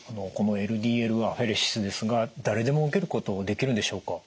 このＬＤＬアフェレシスですが誰でも受けることできるんでしょうか？